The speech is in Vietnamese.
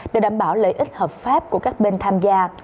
để đảm bảo lợi ích hợp pháp của các bên tham gia